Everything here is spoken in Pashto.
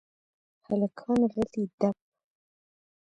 هلکان غلي دپ .